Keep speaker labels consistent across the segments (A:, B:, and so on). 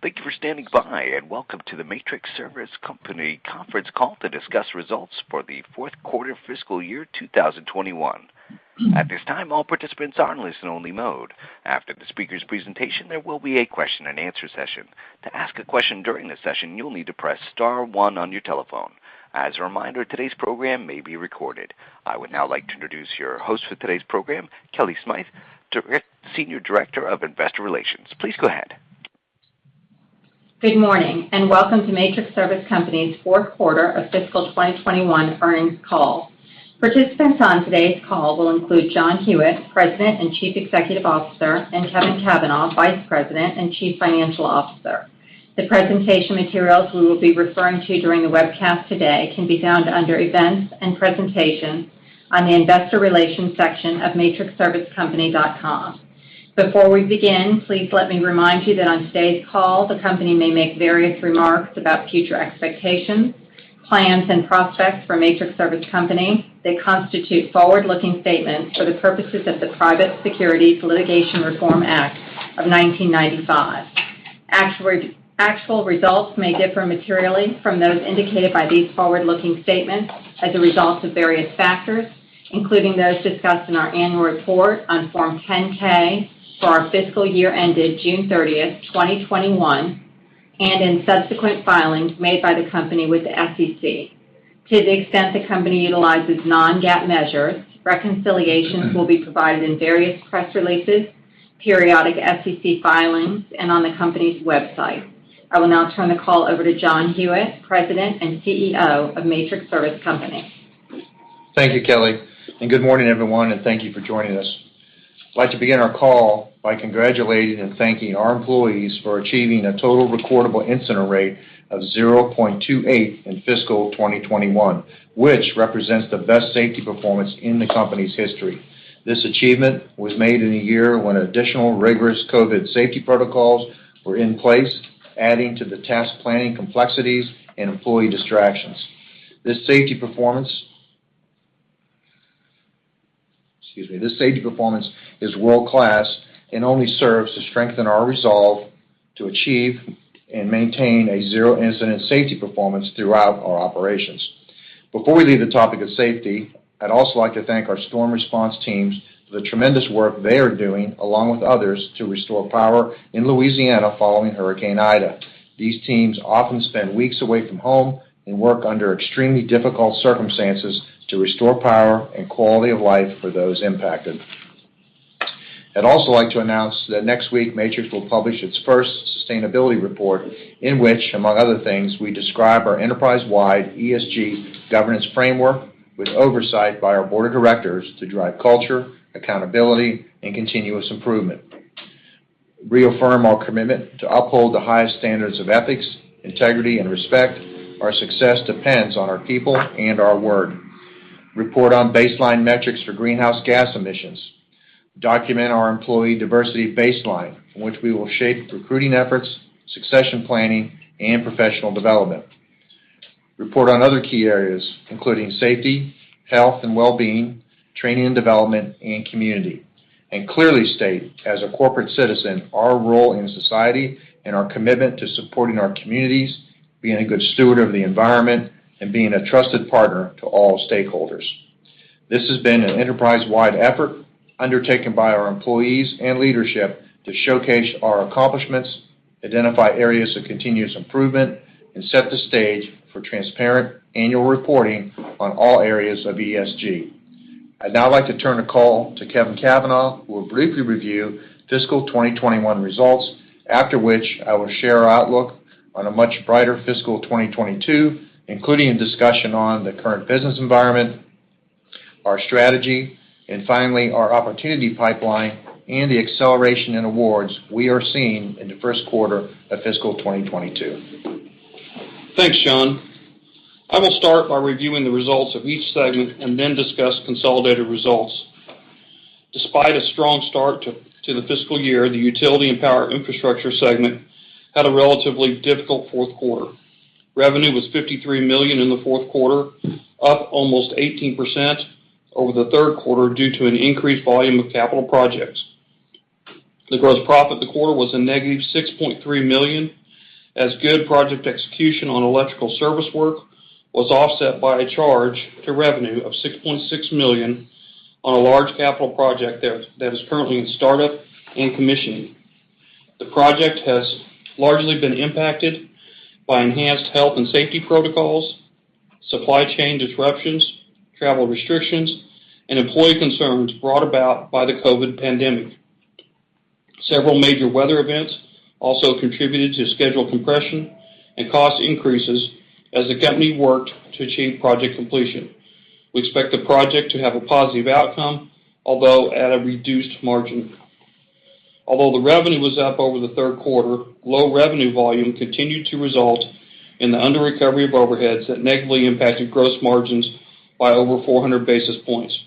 A: Thank you for standing by, and welcome to the Matrix Service Company Conference Call to discuss results for the fourth quarter fiscal year 2021. At this time, all participants are in listen-only mode. After the speaker's presentation, there will be a question-and-answer session. To ask a question during the session, you'll need to press star one on your telephone. As a reminder, today's program may be recorded. I would now like to introduce your host for today's program, Kellie Smythe, Senior Director of Investor Relations. Please go ahead.
B: Good morning, and welcome to Matrix Service Company's Fourth Quarter of Fiscal 2021 Earnings Call. Participants on today's call will include John Hewitt, President and Chief Executive Officer, and Kevin Cavanah, Vice President and Chief Financial Officer. The presentation materials we will be referring to during the webcast today can be found under Events and Presentations on the investor relations section of matrixservicecompany.com. Before we begin, please let me remind you that on today's call, the company may make various remarks about future expectations, plans, and prospects for Matrix Service Company that constitute forward-looking statements for the purposes of the Private Securities Litigation Reform Act of 1995. Actual results may differ materially from those indicated by these forward-looking statements as a result of various factors, including those discussed in our annual report on Form 10-K for our fiscal year ended June 30th, 2021, and in subsequent filings made by the company with the SEC. To the extent the company utilizes non-GAAP measures, reconciliations will be provided in various press releases, periodic SEC filings, and on the company's website. I will now turn the call over to John Hewitt, President and CEO of Matrix Service Company.
C: Thank you, Kellie, and good morning, everyone, and thank you for joining us. I'd like to begin our call by congratulating and thanking our employees for achieving a total recordable incident rate of 0.28 in fiscal 2021, which represents the best safety performance in the company's history. This achievement was made in a year when additional rigorous COVID safety protocols were in place, adding to the task planning complexities and employee distractions. This safety performance is world-class and only serves to strengthen our resolve to achieve and maintain a zero-incident safety performance throughout our operations. Before we leave the topic of safety, I'd also like to thank our storm response teams for the tremendous work they are doing, along with others, to restore power in Louisiana following Hurricane Ida. These teams often spend weeks away from home and work under extremely difficult circumstances to restore power and quality of life for those impacted. I'd also like to announce that next week, Matrix will publish its first sustainability report in which, among other things, we describe our enterprise-wide ESG governance framework with oversight by our board of directors to drive culture, accountability, and continuous improvement. Reaffirm our commitment to uphold the highest standards of ethics, integrity, and respect, our success depends on our people and our word. Report on baseline metrics for greenhouse gas emissions. Document our employee diversity baseline in which we will shape recruiting efforts, succession planning, and professional development. Report on other key areas, including safety, health, and well-being, training and development, and community. Clearly state, as a corporate citizen, our role in society and our commitment to supporting our communities, being a good steward of the environment, and being a trusted partner to all stakeholders. This has been an enterprise-wide effort undertaken by our employees and leadership to showcase our accomplishments, identify areas of continuous improvement, and set the stage for transparent annual reporting on all areas of ESG. I'd now like to turn the call to Kevin Cavanah, who will briefly review fiscal 2021 results. After which, I will share our outlook on a much brighter fiscal 2022, including a discussion on the current business environment, our strategy, and finally, our opportunity pipeline and the acceleration in awards we are seeing in the first quarter of fiscal 2022.
D: Thanks, John. I will start by reviewing the results of each segment and then discuss consolidated results. Despite a strong start to the fiscal year, the Utility and Power Infrastructure segment had a relatively difficult fourth quarter. Revenue was $53 million in the fourth quarter, up almost 18% over the third quarter due to an increased volume of capital projects. The gross profit of the quarter was a -$6.3 million as good project execution on electrical service work was offset by a charge to revenue of $6.6 million on a large capital project that is currently in startup and commissioning. The project has largely been impacted by enhanced health and safety protocols, supply chain disruptions, travel restrictions, and employee concerns brought about by the COVID pandemic. Several major weather events also contributed to schedule compression and cost increases as the company worked to achieve project completion. We expect the project to have a positive outcome, although at a reduced margin. Although the revenue was up over the third quarter, low revenue volume continued to result in the under-recovery of overheads that negatively impacted gross margins by over 400 basis points.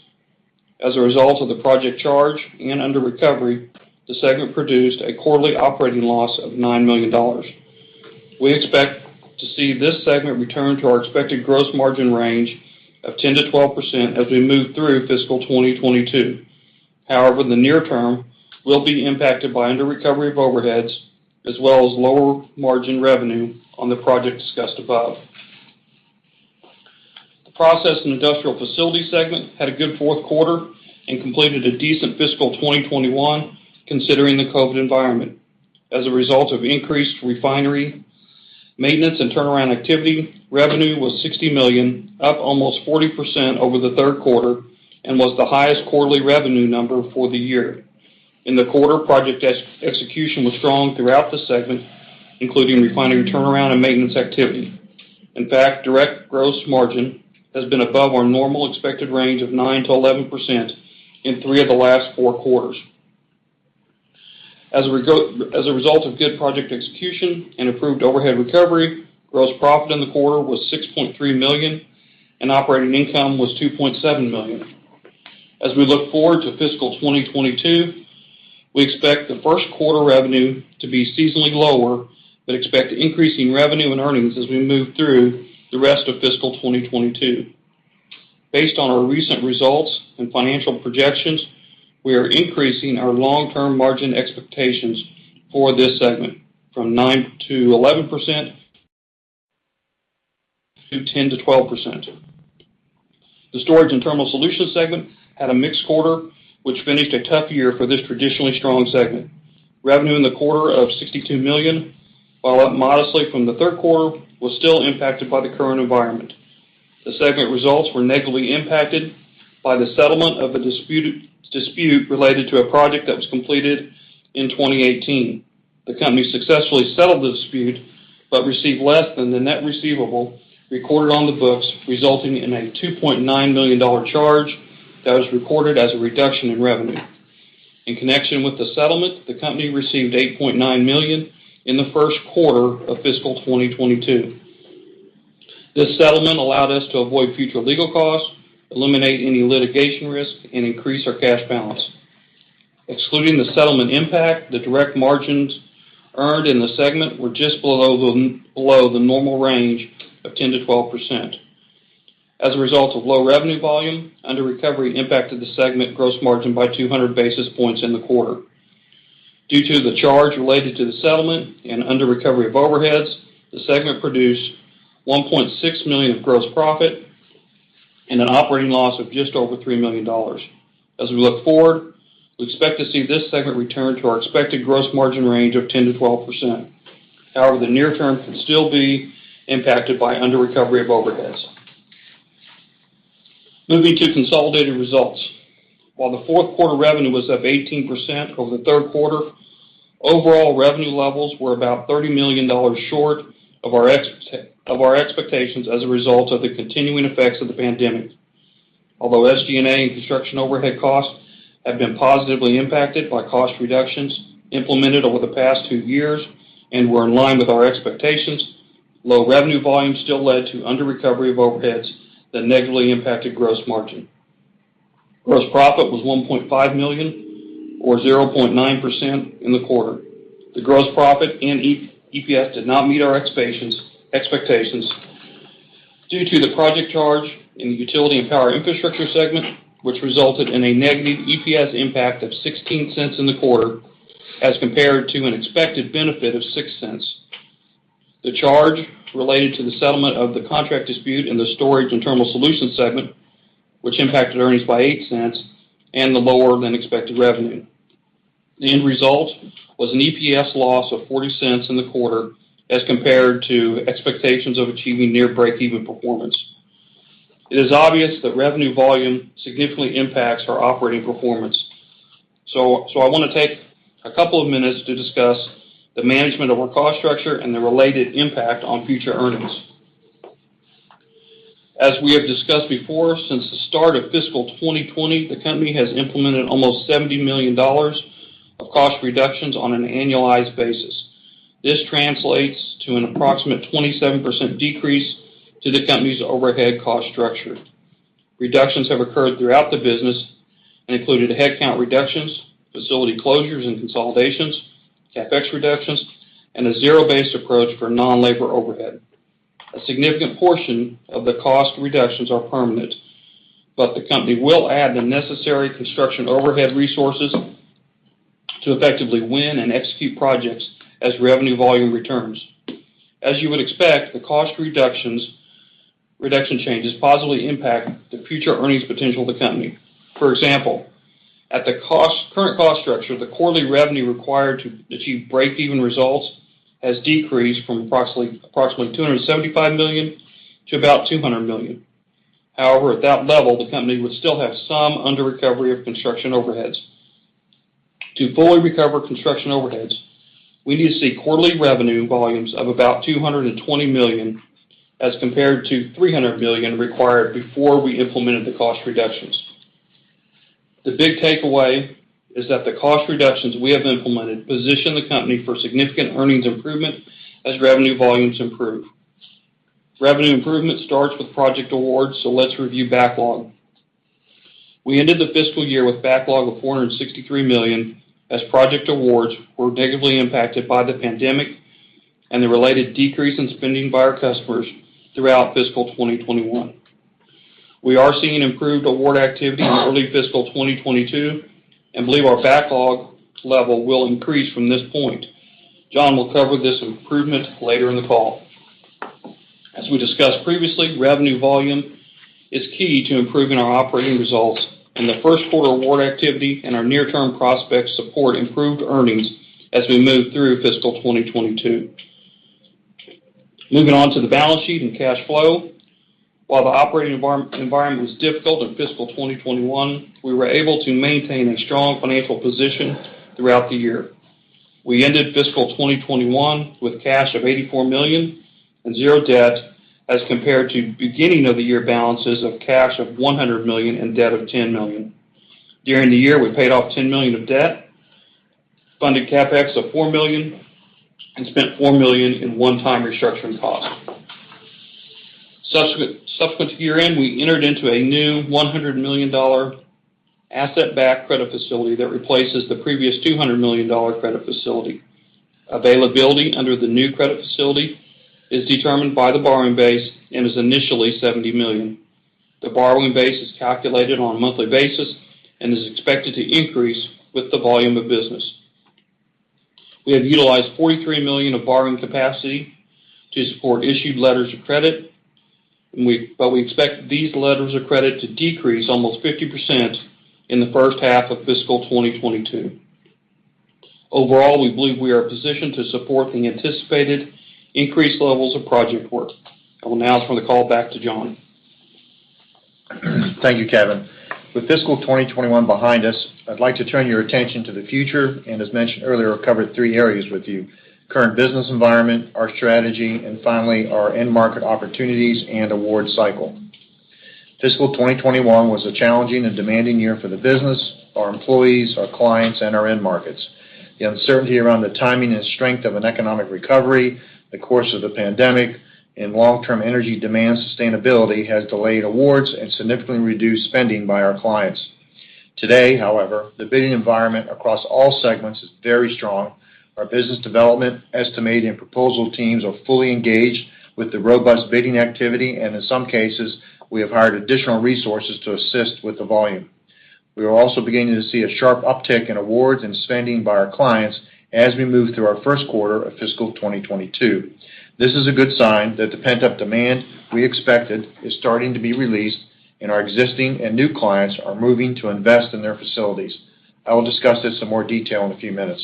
D: As a result of the project charge and under-recovery, the segment produced a quarterly operating loss of $9 million. We expect to see this segment return to our expected gross margin range of 10%-12% as we move through fiscal 2022. In the near term, we'll be impacted by under-recovery of overheads, as well as lower margin revenue on the projects discussed above. The Process and Industrial Facilities segment had a good fourth quarter and completed a decent fiscal 2021 considering the COVID environment. As a result of increased refinery maintenance and turnaround activity, revenue was $60 million, up almost 40% over the third quarter, and was the highest quarterly revenue number for the year. In the quarter, project execution was strong throughout the segment, including refinery turnaround and maintenance activity. In fact, direct gross margin has been above our normal expected range of 9%-11% in three of the last four quarters. As a result of good project execution and improved overhead recovery, gross profit in the quarter was $6.3 million and operating income was $2.7 million. As we look forward to fiscal 2022, we expect the first quarter revenue to be seasonally lower but expect increasing revenue and earnings as we move through the rest of fiscal 2022. Based on our recent results and financial projections, we are increasing our long-term margin expectations for this segment from 9%-11%, to 10%-12%. The Storage and Terminal Solutions segment had a mixed quarter, which finished a tough year for this traditionally strong segment. Revenue in the quarter of $62 million, while up modestly from the third quarter, was still impacted by the current environment. The segment results were negatively impacted by the settlement of a dispute related to a project that was completed in 2018. The company successfully settled the dispute, but received less than the net receivable recorded on the books, resulting in a $2.9 million charge that was recorded as a reduction in revenue. In connection with the settlement, the company received $8.9 million in the first quarter of fiscal 2022. This settlement allowed us to avoid future legal costs, eliminate any litigation risk, and increase our cash balance. Excluding the settlement impact, the direct margins earned in the segment were just below the normal range of 10%-12%. As a result of low revenue volume, under-recovery impacted the segment gross margin by 200 basis points in the quarter. Due to the charge related to the settlement and under-recovery of overheads, the segment produced $1.6 million of gross profit and an operating loss of just over $3 million. As we look forward, we expect to see this segment return to our expected gross margin range of 10%-12%. However, the near term could still be impacted by under-recovery of overheads. Moving to consolidated results. While the fourth quarter revenue was up 18% over the third quarter, overall revenue levels were about $30 million short of our expectations as a result of the continuing effects of the pandemic. Although SG&A and construction overhead costs have been positively impacted by cost reductions implemented over the past two years and were in line with our expectations, low revenue volume still led to under-recovery of overheads that negatively impacted gross margin. Gross profit was $1.5 million or 0.9% in the quarter. The gross profit and EPS did not meet our expectations due to the project charge in the Utility and Power Infrastructure segment, which resulted in a negative EPS impact of $0.16 in the quarter as compared to an expected benefit of $0.06. The charge related to the settlement of the contract dispute in the Storage and Terminal Solutions segment, which impacted earnings by $0.08 and the lower than expected revenue. The end result was an EPS loss of $0.40 in the quarter as compared to expectations of achieving near breakeven performance. It is obvious that revenue volume significantly impacts our operating performance. I want to take a couple of minutes to discuss the management of our cost structure and the related impact on future earnings. As we have discussed before, since the start of fiscal 2020, the company has implemented almost $70 million of cost reductions on an annualized basis. This translates to an approximate 27% decrease to the company's overhead cost structure. Reductions have occurred throughout the business and included headcount reductions, facility closures and consolidations, CapEx reductions, and a zero-based approach for non-labor overhead. A significant portion of the cost reductions are permanent, but the company will add the necessary construction overhead resources to effectively win and execute projects as revenue volume returns. As you would expect, the cost reduction changes positively impact the future earnings potential of the company. For example, at the current cost structure, the quarterly revenue required to achieve breakeven results has decreased from approximately $275 million to about $200 million. However, at that level, the company would still have some under-recovery of construction overheads. To fully recover construction overheads, we need to see quarterly revenue volumes of about $220 million as compared to $300 million required before we implemented the cost reductions. The big takeaway is that the cost reductions we have implemented position the company for significant earnings improvement as revenue volumes improve. Revenue improvement starts with project awards, so let's review backlog. We ended the fiscal year with backlog of $463 million as project awards were negatively impacted by the pandemic and the related decrease in spending by our customers throughout fiscal 2021. We are seeing improved award activity in early fiscal 2022 and believe our backlog level will increase from this point. John will cover this improvement later in the call. As we discussed previously, revenue volume is key to improving our operating results, and the first quarter award activity and our near-term prospects support improved earnings as we move through fiscal 2022. Moving on to the balance sheet and cash flow. While the operating environment was difficult in fiscal 2021, we were able to maintain a strong financial position throughout the year. We ended fiscal 2021 with cash of $84 million and zero debt as compared to beginning of the year balances of cash of $100 million and debt of $10 million. During the year, we paid off $10 million of debt, funded CapEx of $4 million, and spent $4 million in one-time restructuring costs. Subsequent to year-end, we entered into a new $100 million asset-backed credit facility that replaces the previous $200 million credit facility. Availability under the new credit facility is determined by the borrowing base and is initially $70 million. The borrowing base is calculated on a monthly basis and is expected to increase with the volume of business. We have utilized $43 million of borrowing capacity to support issued letters of credit. We expect these letters of credit to decrease almost 50% in the first half of fiscal 2022. Overall, we believe we are positioned to support the anticipated increased levels of project work. I will now turn the call back to John.
C: Thank you, Kevin. With fiscal 2021 behind us, I'd like to turn your attention to the future. As mentioned earlier, I'll cover three areas with you: current business environment, our strategy, and finally, our end market opportunities and award cycle. Fiscal 2021 was a challenging and demanding year for the business, our employees, our clients, and our end markets. The uncertainty around the timing and strength of an economic recovery, the course of the pandemic, and long-term energy demand sustainability has delayed awards and significantly reduced spending by our clients. Today, however, the bidding environment across all segments is very strong. Our business development estimate and proposal teams are fully engaged with the robust bidding activity, and in some cases, we have hired additional resources to assist with the volume. We are also beginning to see a sharp uptick in awards and spending by our clients as we move through our first quarter of fiscal 2022. This is a good sign that the pent-up demand we expected is starting to be released and our existing and new clients are moving to invest in their facilities. I will discuss this in more detail in a few minutes.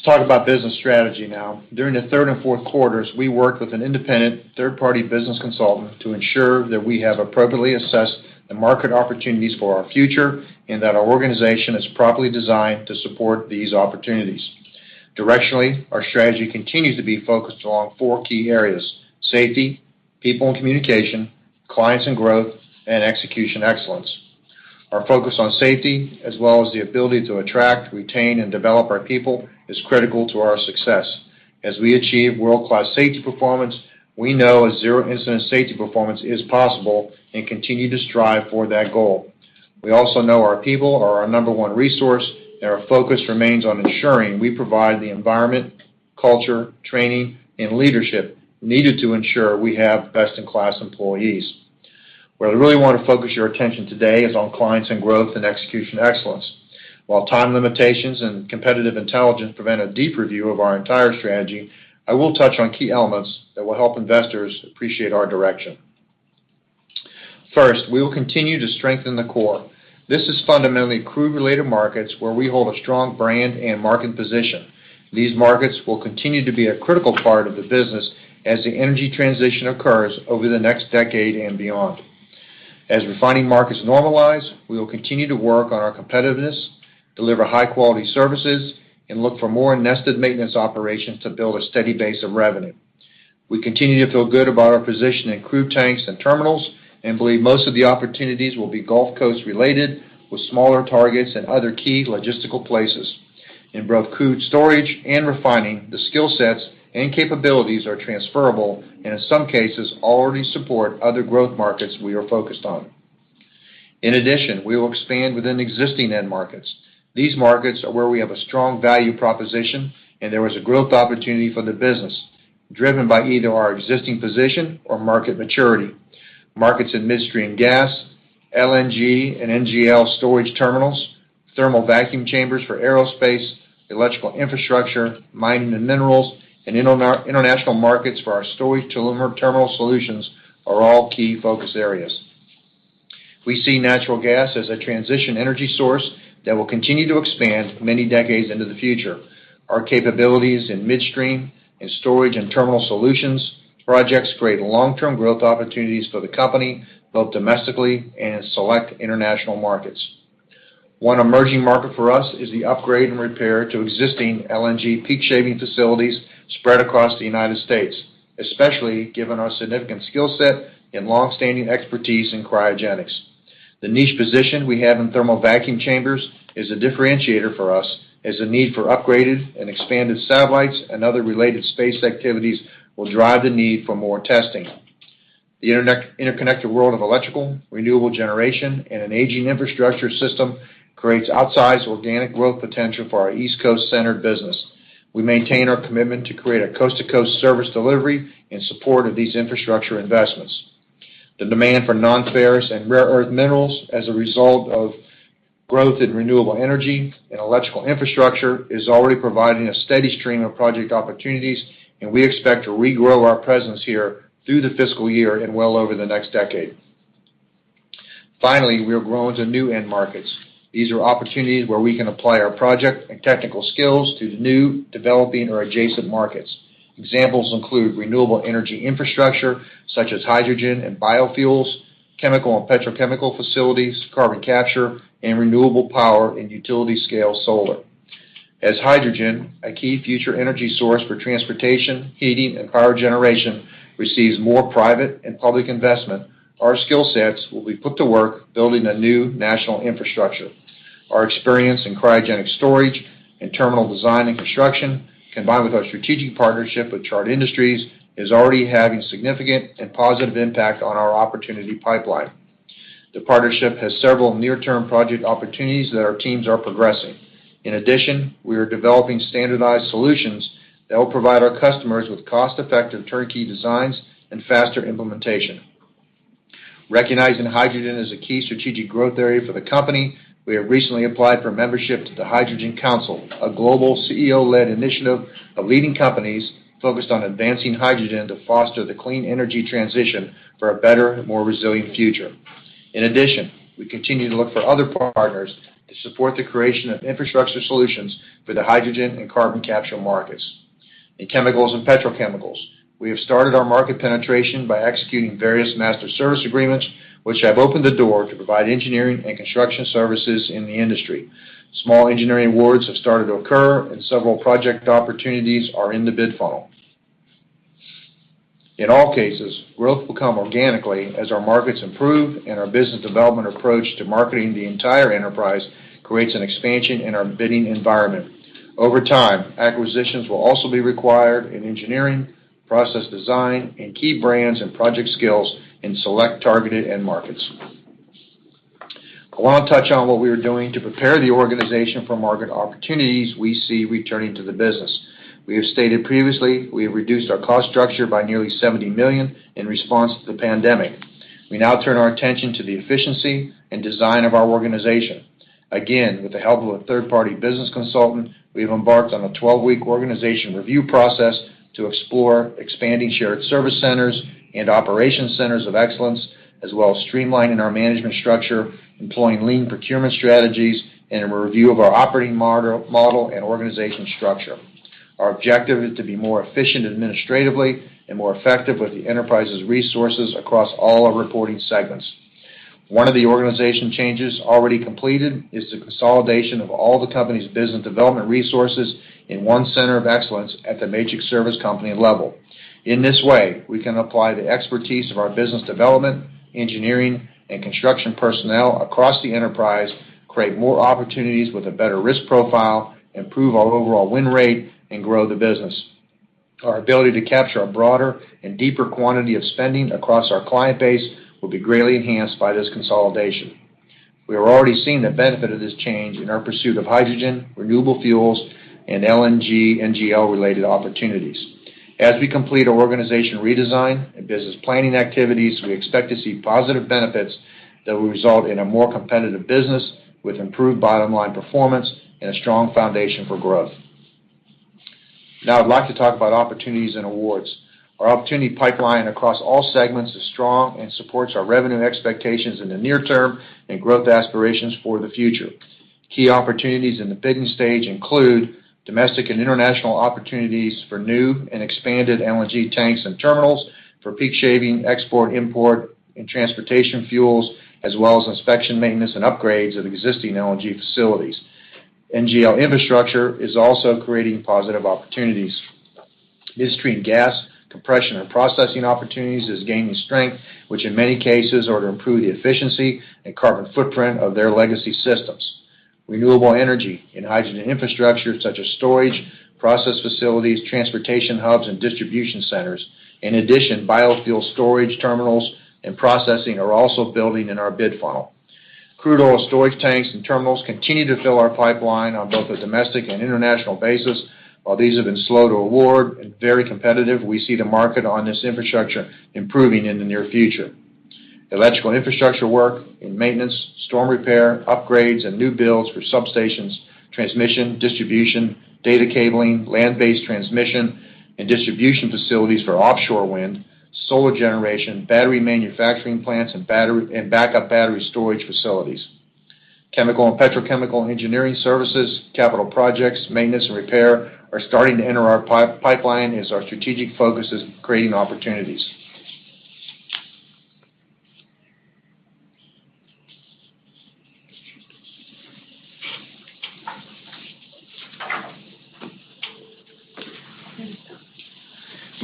C: Let's talk about business strategy now. During the third and fourth quarters, we worked with an independent third-party business consultant to ensure that we have appropriately assessed the market opportunities for our future and that our organization is properly designed to support these opportunities. Directionally, our strategy continues to be focused on four key areas: safety, people and communication, clients and growth, and execution excellence. Our focus on safety, as well as the ability to attract, retain, and develop our people, is critical to our success. As we achieve world-class safety performance, we know a zero-incident safety performance is possible and continue to strive for that goal. We also know our people are our number one resource, and our focus remains on ensuring we provide the environment, culture, training, and leadership needed to ensure we have best-in-class employees. Where I really want to focus your attention today is on clients and growth and execution excellence. While time limitations and competitive intelligence prevent a deep review of our entire strategy, I will touch on key elements that will help investors appreciate our direction. First, we will continue to strengthen the core. This is fundamentally crude-related markets where we hold a strong brand and market position. These markets will continue to be a critical part of the business as the energy transition occurs over the next decade and beyond. As refining markets normalize, we will continue to work on our competitiveness, deliver high-quality services, and look for more nested maintenance operations to build a steady base of revenue. We continue to feel good about our position in crude tanks and terminals and believe most of the opportunities will be Gulf Coast related with smaller targets in other key logistical places. In both crude storage and refining, the skill sets and capabilities are transferable and in some cases, already support other growth markets we are focused on. In addition, we will expand within existing end markets. These markets are where we have a strong value proposition, and there is a growth opportunity for the business driven by either our existing position or market maturity. Markets in midstream gas, LNG and NGL storage terminals, thermal vacuum chambers for aerospace, electrical infrastructure, mining and minerals, and international markets for our Storage and Terminal Solutions are all key focus areas. We see natural gas as a transition energy source that will continue to expand many decades into the future. Our capabilities in midstream, in Storage and Terminal Solutions projects create long-term growth opportunities for the company, both domestically and in select international markets. One emerging market for us is the upgrade and repair to existing LNG peak shaving facilities spread across the United States, especially given our significant skill set and long-standing expertise in cryogenics. The niche position we have in thermal vacuum chambers is a differentiator for us as the need for upgraded and expanded satellites and other related space activities will drive the need for more testing. The interconnected world of electrical renewable generation and an aging infrastructure system creates outsized organic growth potential for our East Coast-centered business. We maintain our commitment to create a coast-to-coast service delivery in support of these infrastructure investments. The demand for nonferrous and rare earth minerals as a result of growth in renewable energy and electrical infrastructure is already providing a steady stream of project opportunities, and we expect to regrow our presence here through the fiscal year and well over the next decade. Finally, we are growing to new end markets. These are opportunities where we can apply our project and technical skills to new, developing, or adjacent markets. Examples include renewable energy infrastructure, such as hydrogen and biofuels, carbon capture, chemical and petrochemical facilities, and renewable power and utility-scale solar. As hydrogen, a key future energy source for transportation, heating, and power generation, receives more private and public investment, our skill sets will be put to work building a new national infrastructure. Our experience in cryogenic storage and terminal design and construction, combined with our strategic partnership with Chart Industries, is already having a significant and positive impact on our opportunity pipeline. The partnership has several near-term project opportunities that our teams are progressing. In addition, we are developing standardized solutions that will provide our customers with cost-effective turnkey designs and faster implementation. Recognizing hydrogen as a key strategic growth area for the company, we have recently applied for membership to the Hydrogen Council, a global CEO-led initiative of leading companies focused on advancing hydrogen to foster the clean energy transition for a better, more resilient future. In addition, we continue to look for other partners to support the creation of infrastructure solutions for the hydrogen and carbon capture markets. In chemicals and petrochemicals, we have started our market penetration by executing various master service agreements, which have opened the door to provide engineering and construction services in the industry. Small engineering awards have started to occur, and several project opportunities are in the bid funnel. In all cases, growth will come organically as our markets improve and our business development approach to marketing the entire enterprise creates an expansion in our bidding environment. Over time, acquisitions will also be required in engineering, process design, and key brands and project skills in select targeted end markets. I want to touch on what we are doing to prepare the organization for market opportunities we see returning to the business. We have stated previously, we have reduced our cost structure by nearly $70 million in response to the pandemic. We now turn our attention to the efficiency and design of our organization. Again, with the help of a third-party business consultant, we've embarked on a 12-week organization review process to explore expanding shared service centers and operation centers of excellence, as well as streamlining our management structure, employing lean procurement strategies, and a review of our operating model and organization structure. Our objective is to be more efficient administratively and more effective with the enterprise's resources across all our reporting segments. One of the organization changes already completed is the consolidation of all the company's business development resources in one center of excellence at the Matrix Service Company level. In this way, we can apply the expertise of our business development, engineering, and construction personnel across the enterprise, create more opportunities with a better risk profile, improve our overall win rate, and grow the business. Our ability to capture a broader and deeper quantity of spending across our client base will be greatly enhanced by this consolidation. We are already seeing the benefit of this change in our pursuit of hydrogen, renewable fuels, and LNG, NGL related opportunities. As we complete our organization redesign and business planning activities, we expect to see positive benefits that will result in a more competitive business with improved bottom-line performance and a strong foundation for growth. Now I'd like to talk about opportunities and awards. Our opportunity pipeline across all segments is strong and supports our revenue expectations in the near term and growth aspirations for the future. Key opportunities in the bidding stage include domestic and international opportunities for new and expanded LNG tanks and terminals for peak shaving, export, import, and transportation fuels, as well as inspection, maintenance, and upgrades of existing LNG facilities. NGL infrastructure is also creating positive opportunities. Midstream gas compression and processing opportunities is gaining strength, which in many cases are to improve the efficiency and carbon footprint of their legacy systems. Renewable energy and hydrogen infrastructure such as storage, process facilities, transportation hubs, and distribution centers. In addition, biofuel storage terminals and processing are also building in our bid funnel. Crude oil storage tanks and terminals continue to fill our pipeline on both a domestic and international basis. While these have been slow to award and very competitive, we see the market on this infrastructure improving in the near future. Electrical infrastructure work and maintenance, storm repair, upgrades, and new builds for substations, transmission, distribution, data cabling, land-based transmission and distribution facilities for offshore wind, solar generation, battery manufacturing plants, and backup battery storage facilities. Chemical and petrochemical engineering services, capital projects, maintenance, and repair are starting to enter our pipeline as our strategic focus is creating opportunities.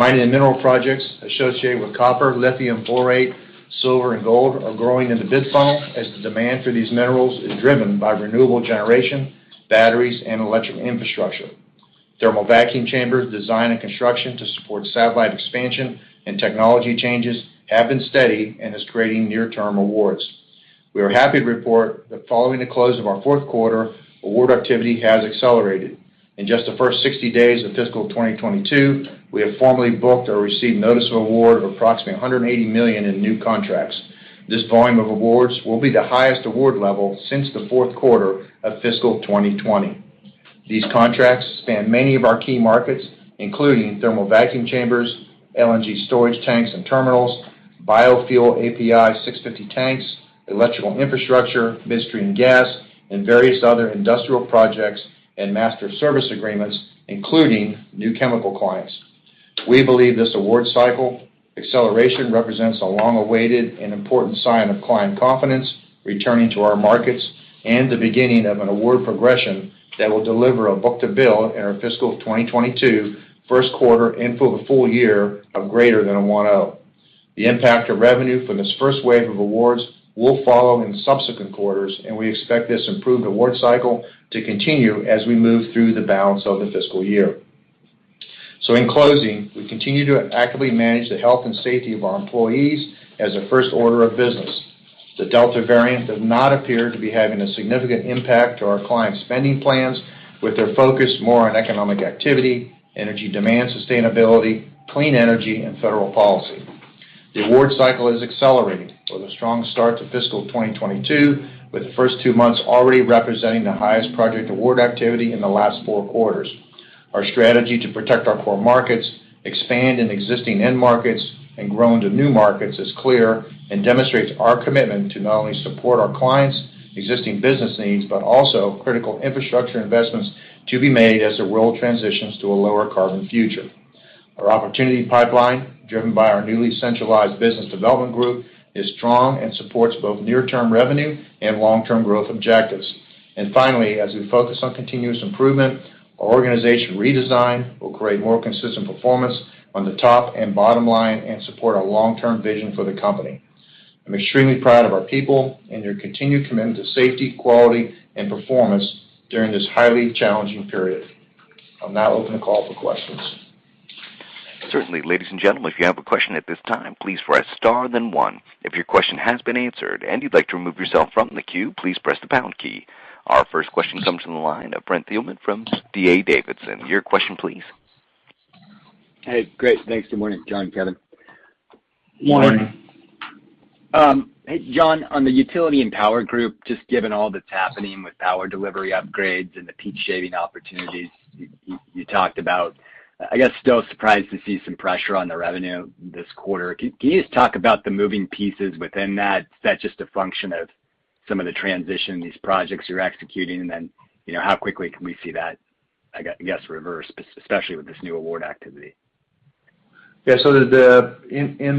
C: Mining and mineral projects associated with copper, lithium borate, silver, and gold are growing in the bid funnel as the demand for these minerals is driven by renewable generation, batteries, and electric infrastructure. Thermal vacuum chambers design and construction to support satellite expansion and technology changes have been steady and is creating near-term awards. We are happy to report that following the close of our fourth quarter, award activity has accelerated. In just the first 60 days of fiscal 2022, we have formally booked or received notice of award of approximately $180 million in new contracts. This volume of awards will be the highest award level since the fourth quarter of fiscal 2020. These contracts span many of our key markets, including thermal vacuum chambers, LNG storage tanks and terminals, biofuel API 650 tanks, electrical infrastructure, midstream gas, and various other industrial projects and master service agreements, including new chemical clients. We believe this award cycle acceleration represents a long-awaited and important sign of client confidence returning to our markets and the beginning of an award progression that will deliver a book-to-bill in our fiscal 2022 first quarter and for the full year of greater than a 1.0. The impact of revenue from this first wave of awards will follow in subsequent quarters. We expect this improved award cycle to continue as we move through the balance of the fiscal year. In closing, we continue to actively manage the health and safety of our employees as a first order of business. The Delta variant does not appear to be having a significant impact to our clients' spending plans, with their focus more on economic activity, energy demand sustainability, clean energy, and federal policy. The award cycle is accelerating with a strong start to fiscal 2022, with the first two months already representing the highest project award activity in the last four quarters. Our strategy to protect our core markets, expand in existing end markets, and grow into new markets is clear and demonstrates our commitment to not only support our clients' existing business needs but also critical infrastructure investments to be made as the world transitions to a lower carbon future. Our opportunity pipeline, driven by our newly centralized business development group, is strong and supports both near-term revenue and long-term growth objectives. Finally, as we focus on continuous improvement, our organization redesign will create more consistent performance on the top and bottom line and support our long-term vision for the company. I'm extremely proud of our people and their continued commitment to safety, quality, and performance during this highly challenging period. I'll now open the call for questions.
A: Certainly. Ladies and gentlemen, if you have a question at this time, please press star, then one. If your question has been answered and you'd like to remove yourself from the queue, please press the pound key. Our first question comes from the line of Brent Thielman from D.A. Davidson. Your question, please.
E: Hey, great. Thanks. Good morning, John, Kevin.
C: Morning.
D: Morning.
E: Hey, John, on the Utility and Power Infrastructure, just given all that's happening with power delivery upgrades and the peak shaving opportunities you talked about, I guess still surprised to see some pressure on the revenue this quarter. Can you just talk about the moving pieces within that? Is that just a function of some of the transition in these projects you're executing? Then, how quickly can we see that, I guess, reverse, especially with this new award activity?
C: In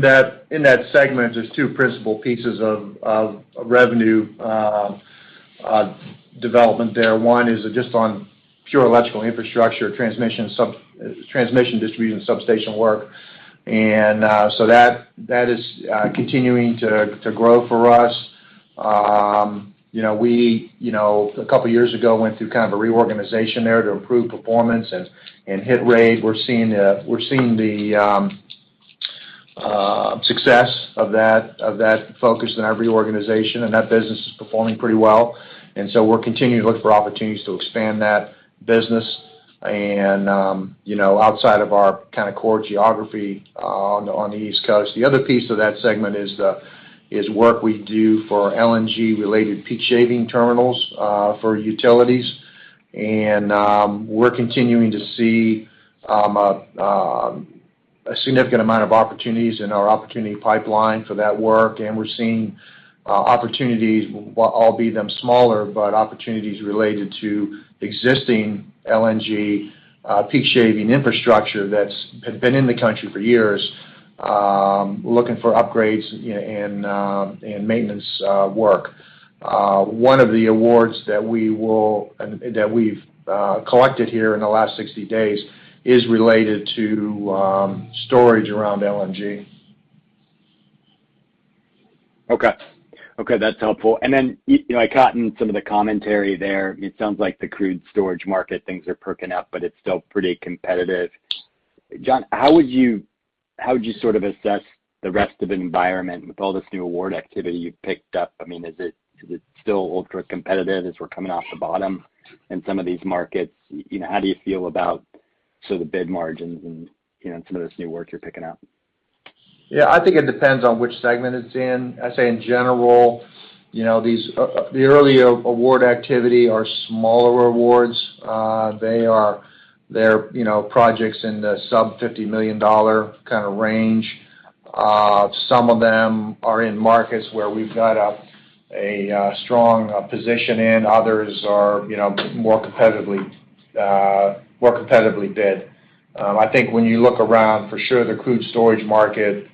C: that segment, there's two principal pieces of revenue development there. One is just on pure electrical infrastructure, transmission, distribution, and substation work. That is continuing to grow for us. We, a couple of years ago, went through kind of a reorganization there to improve performance and hit rate. We're seeing the success of that focus in our reorganization, and that business is performing pretty well. We're continuing to look for opportunities to expand that business and outside of our kind of core geography on the East Coast. The other piece of that segment is work we do for LNG-related peak shaving terminals for utilities. We're continuing to see a significant amount of opportunities in our opportunity pipeline for that work. We're seeing opportunities, albeit them smaller, but opportunities related to existing LNG peak shaving infrastructure that's had been in the country for years looking for upgrades and maintenance work. One of the awards that we've collected here in the last 60 days is related to storage around LNG.
E: Okay. That's helpful. Then, I caught in some of the commentary there, it sounds like the crude storage market, things are perking up, but it's still pretty competitive. John, how would you sort of assess the rest of the environment with all this new award activity you've picked up? Is it still ultra-competitive as we're coming off the bottom in some of these markets? How do you feel about the bid margins and some of this new work you're picking up?
C: I think it depends on which segment it's in. I'd say in general, the early award activity are smaller awards. They're projects in the sub $50 million kind of range. Some of them are in markets where we've got a strong position in. Others are more competitively bid. I think when you look around, for sure the crude storage market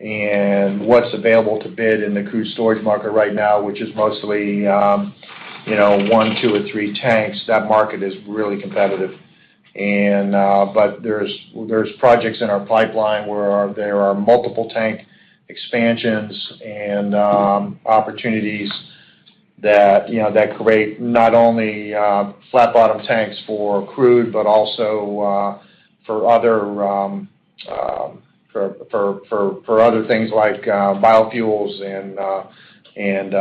C: and what's available to bid in the crude storage market right now, which is mostly one, two, or three tanks. That market is really competitive. There's projects in our pipeline where there are multiple tank expansions and opportunities that create not only flat bottom tanks for crude, but also for other things like biofuels and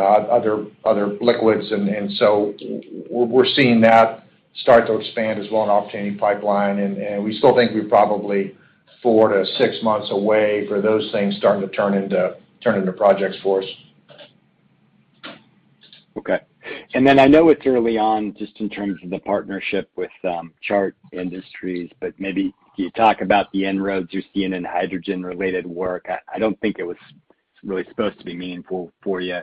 C: other liquids. We're seeing that start to expand as well, an opportunity pipeline. We still think we're probably four to six months away for those things starting to turn into projects for us.
E: Okay. Then I know it's early on, just in terms of the partnership with Chart Industries, but maybe can you talk about the inroads you're seeing in hydrogen-related work? I don't think it was really supposed to be meaningful for you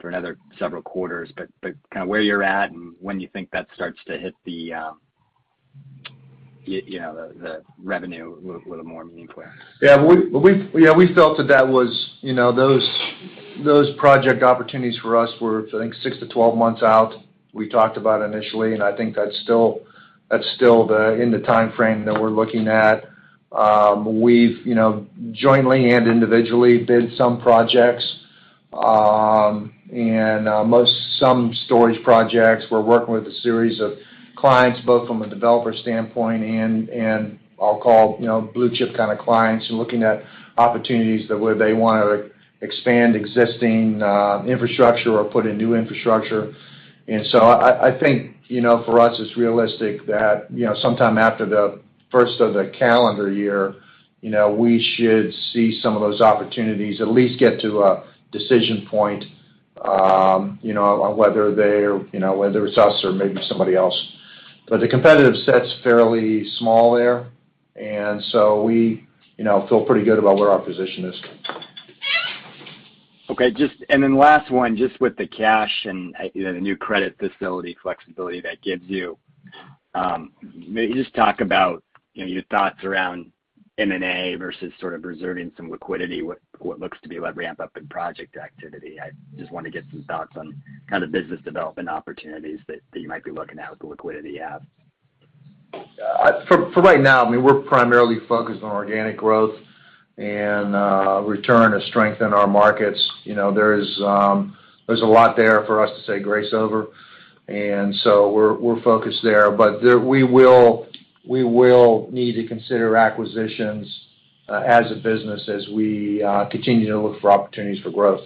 E: for another several quarters, but kind of where you're at, and when you think that starts to hit the revenue a little more meaningfully.
C: Yeah. We felt that those project opportunities for us were, I think, 6-12 months out. We talked about initially, I think that's still in the timeframe that we're looking at. We've jointly and individually did some projects. Some storage projects, we're working with a series of clients, both from a developer standpoint and I'll call blue chip kind of clients. We're looking at opportunities where they want to expand existing infrastructure or put in new infrastructure. I think, for us, it's realistic that sometime after the first of the calendar year, we should see some of those opportunities at least get to a decision point, whether it's us or maybe somebody else. The competitive set's fairly small there. We feel pretty good about where our position is.
E: Okay. Last one, just with the cash and the new credit facility flexibility that gives you, maybe just talk about your thoughts around M&A versus sort of reserving some liquidity with what looks to be a ramp-up in project activity. I just want to get some thoughts on kind of business development opportunities that you might be looking at with the liquidity you have.
C: For right now, we're primarily focused on organic growth and a return to strength in our markets. There's a lot there for us to take grace over. We're focused there. We will need to consider acquisitions as a business as we continue to look for opportunities for growth.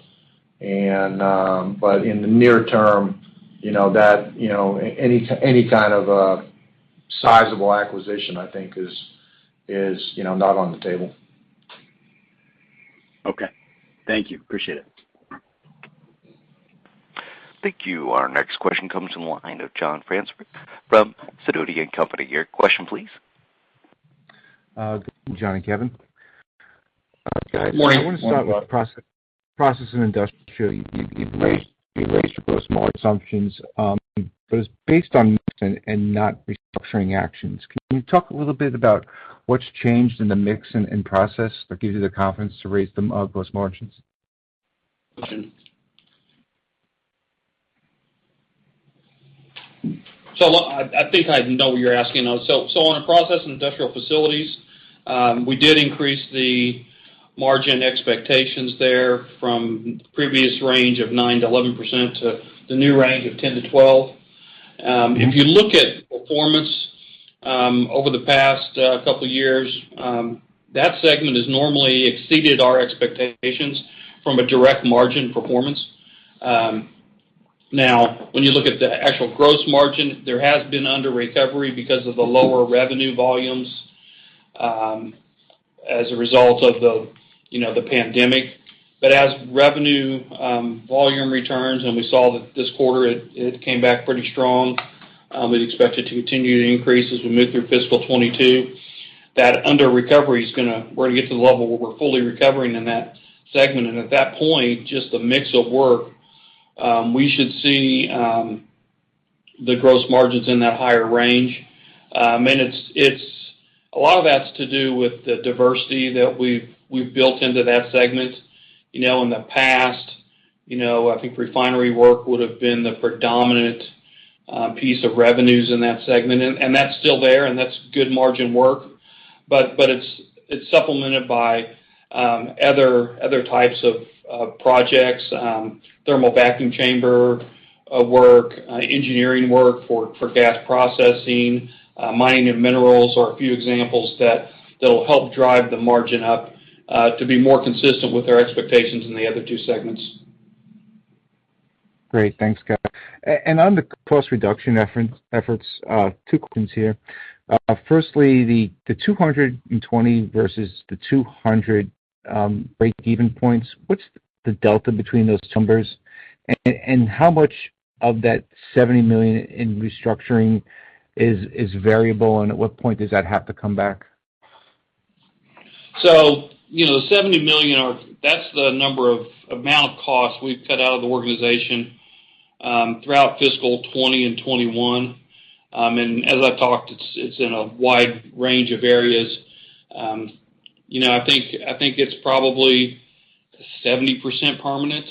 C: In the near term, any kind of a sizable acquisition, I think, is not on the table.
E: Okay. Thank you. Appreciate it.
A: Thank you. Our next question comes from the line of John Franzreb from Sidoti & Company. Your question, please.
F: John and Kevin.
C: Good morning.
F: Guys, I want to start with process and industrial. You raised your gross margin assumptions, but it's based on mix and not restructuring actions. Can you talk a little bit about what's changed in the mix and in process that gives you the confidence to raise the gross margins?
D: I think I know what you're asking now. On Process and Industrial Facilities, we did increase the margin expectations there from the previous range of 9%-11% to the new range of 10%-12%. If you look at performance over the past couple of years, that segment has normally exceeded our expectations from a direct margin performance. Now, when you look at the actual gross margin, there has been under recovery because of the lower revenue volumes as a result of the pandemic. As revenue volume returns, and we saw that this quarter it came back pretty strong. We expect it to continue to increase as we move through fiscal 2022. That under recovery we're going to get to the level where we're fully recovering in that segment. At that point, just the mix of work, we should see the gross margins in that higher range. A lot of that's to do with the diversity that we've built into that segment. In the past, I think refinery work would've been the predominant piece of revenues in that segment. That's still there, and that's good margin work. It's supplemented by other types of projects. Thermal vacuum chamber work, engineering work for gas processing, mining of minerals are a few examples that'll help drive the margin up to be more consistent with our expectations in the other two segments.
F: Great. Thanks, Kevin. On the cost reduction efforts, two questions here. Firstly, the 220 versus the 200 breakeven points. What's the delta between those two numbers? How much of that $70 million in restructuring is variable, and at what point does that have to come back?
D: The $70 million, that's the amount of cost we've cut out of the organization throughout fiscal 2020 and 2021. As I talked, it's in a wide range of areas. I think it's probably, 70% permanent.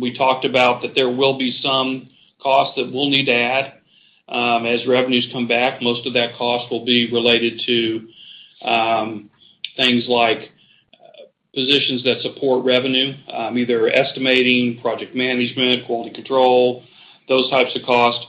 D: We talked about that there will be some costs that we'll need to add as revenues come back. Most of that cost will be related to things like positions that support revenue, either estimating, project management, quality control, those types of costs.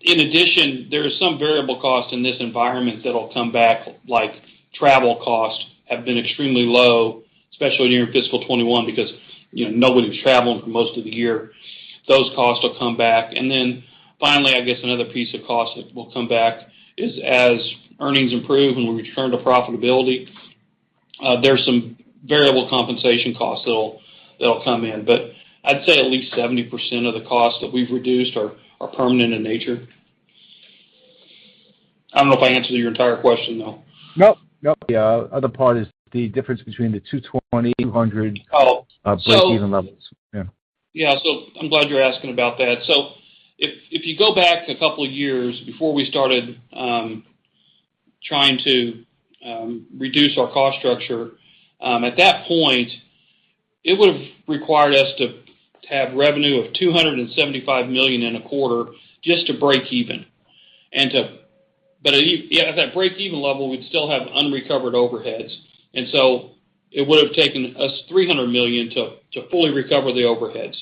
D: In addition, there are some variable costs in this environment that'll come back, like travel costs have been extremely low, especially in fiscal 2021, because nobody was traveling for most of the year. Those costs will come back. Then finally, I guess another piece of cost that will come back is as earnings improve and we return to profitability, there's some variable compensation costs that'll come in. I'd say at least 70% of the costs that we've reduced are permanent in nature. I don't know if I answered your entire question, though.
F: No. The other part is the difference between the 220, 200 break-even levels. Yeah.
D: I'm glad you're asking about that. If you go back a couple of years before we started trying to reduce our cost structure, at that point, it would've required us to have revenue of $275 million in a quarter just to break even. At that break-even level, we'd still have unrecovered overheads. It would've taken us $300 million to fully recover the overheads.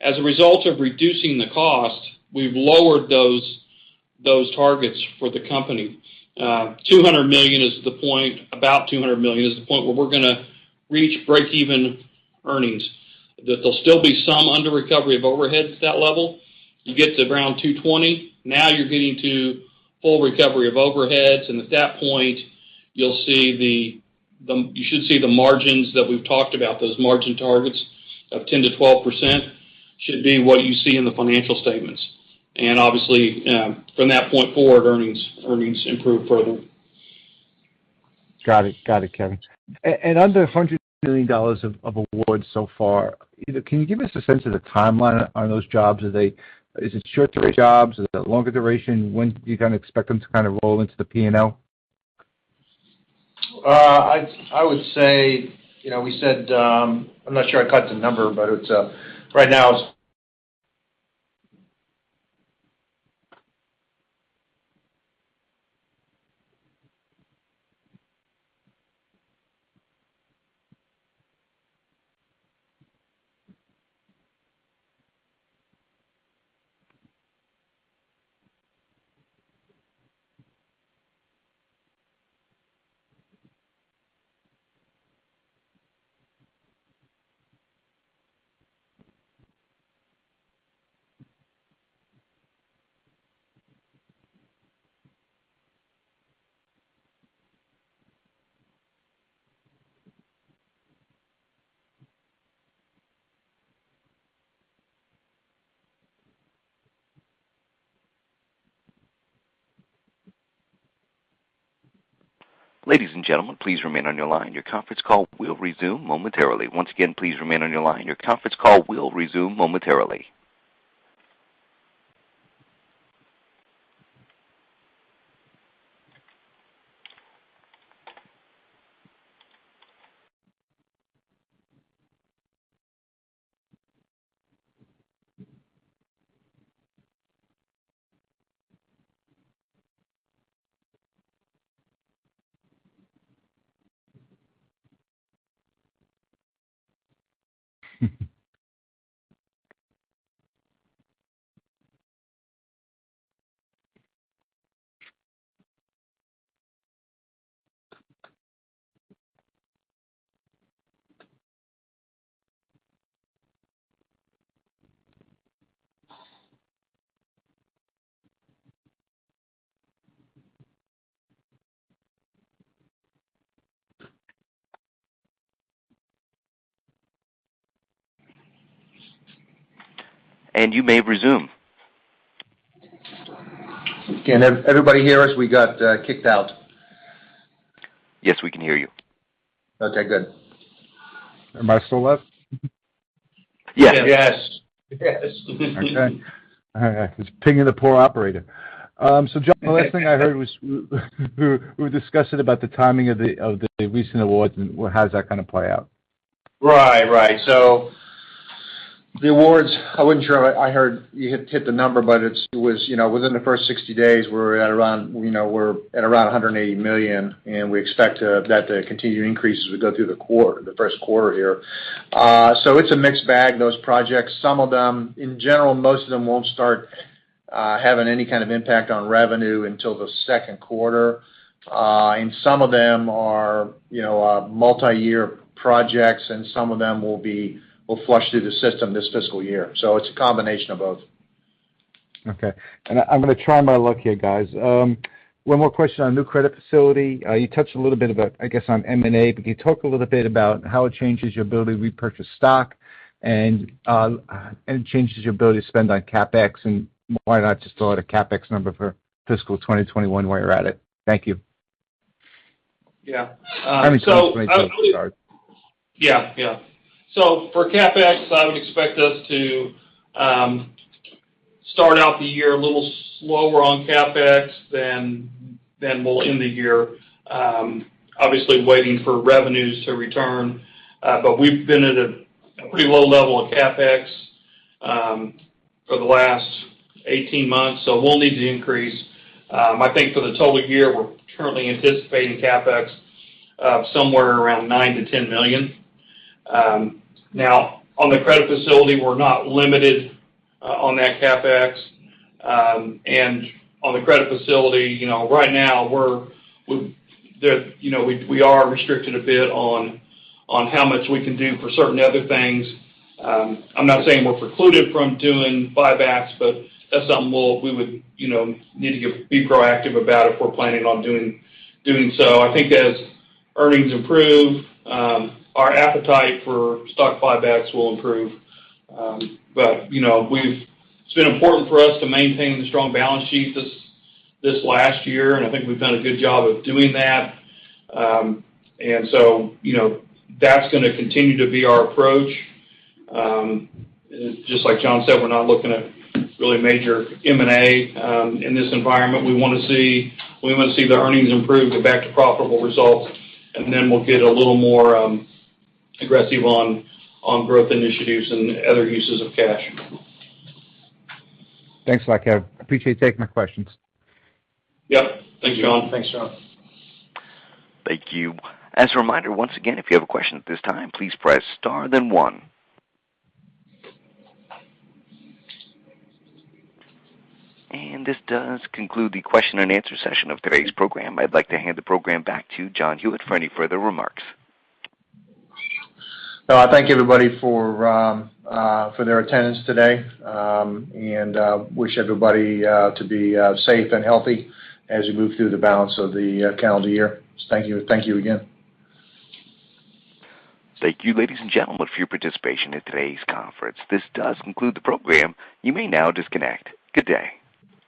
D: As a result of reducing the cost, we've lowered those targets for the company. About $200 million is the point where we're going to reach break-even earnings. There'll still be some under-recovery of overheads at that level. You get to around $220 million, now you're getting to full recovery of overheads, and at that point, you should see the margins that we've talked about. Those margin targets of 10%-12% should be what you see in the financial statements. Obviously, from that point forward, earnings improve further.
F: Got it, Kevin. Under $100 million of awards so far, can you give us a sense of the timeline on those jobs? Is it short-term jobs? Is it longer duration? When do you expect them to roll into the P&L?
C: I would say, I'm not sure I caught the number, but right now it's.
A: You may resume.
C: Can everybody hear us? We got kicked out.
A: Yes, we can hear you.
C: Okay, good.
F: Am I still left?
C: Yes.
D: Yes.
F: Okay. All right. It's pinging the poor operator. John, the last thing I heard was we were discussing about the timing of the recent awards. How does that play out?
C: Right. The awards, I wasn't sure. I heard you had hit the number, but within the first 60 days, we're at around $180 million, and we expect that to continue to increase as we go through the first quarter here. It's a mixed bag, those projects. In general, most of them won't start having any kind of impact on revenue until the second quarter. Some of them are multi-year projects, and some of them will flush through the system this fiscal year. It's a combination of both.
F: Okay. I'm going to try my luck here, guys. One more question on new credit facility. You touched a little bit about, I guess, on M&A, but can you talk a little bit about how it changes your ability to repurchase stock and changes your ability to spend on CapEx? Why not just throw out a CapEx number for fiscal 2021 while you're at it? Thank you.
D: Yeah.
F: I mean 2022, sorry.
D: Yeah. For CapEx, I would expect us to start out the year a little slower on CapEx than we'll end the year. Obviously waiting for revenues to return. We've been at a pretty low level of CapEx for the last 18 months, so we'll need to increase. I think for the total year, we're currently anticipating CapEx of somewhere around $9 million-$10 million. On the credit facility, we're not limited on that CapEx. On the credit facility, right now we are restricted a bit on how much we can do for certain other things. I'm not saying we're precluded from doing buybacks, but that's something we would need to be proactive about if we're planning on doing so. I think as earnings improve, our appetite for stock buybacks will improve. It's been important for us to maintain the strong balance sheet this last year, and I think we've done a good job of doing that. That's going to continue to be our approach. Just like John said, we're not looking at really major M&A in this environment. We want to see the earnings improve, go back to profitable results, and then we'll get a little more aggressive on growth initiatives and other uses of cash.
F: Thanks a lot, Kevin. Appreciate you taking my questions.
D: Yep. Thanks, John.
C: Thanks, John.
A: Thank you. As a reminder, once again, if you have a question at this time, please press star then one. This does conclude the question-and-answer session of today's program. I'd like to hand the program back to John Hewitt for any further remarks.
C: I thank everybody for their attendance today, and wish everybody to be safe and healthy as we move through the balance of the calendar year. Thank you again.
A: Thank you, ladies and gentlemen, for your participation in today's conference. This does conclude the program. You may now disconnect. Good day.